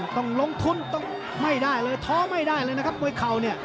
ต้องลงทุนต้องไม่ได้เลยท้อไม่ได้เลยนะครับมวยเข่าเนี่ย